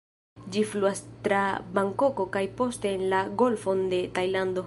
Ĝi fluas tra Bankoko kaj poste en la Golfon de Tajlando.